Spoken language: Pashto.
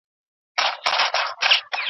د لیدنې فرصت همیشه موجود دی.